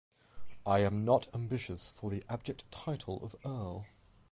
I am not ambitious for the abject title of Earl.